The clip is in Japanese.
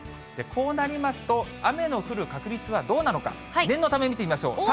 こうなりますと、雨の降る確率はどうなのか、念のため見てみましょう。